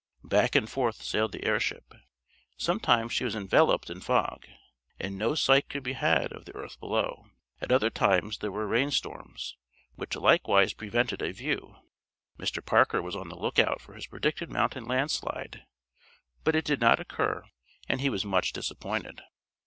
Back and forth sailed the airship. Sometimes she was enveloped in fog, and no sight could be had of the earth below. At other times there were rain storms, which likewise prevented a view. Mr. Parker was on the lookout for his predicted mountain landslide, but it did not occur, and he was much disappointed.